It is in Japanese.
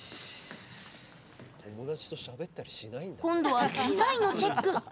今度は機材のチェック。